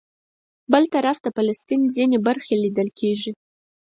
بل طرف د فلسطین ځینې برخې لیدل کېږي.